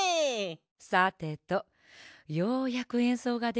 さてとようやくえんそうができるわ。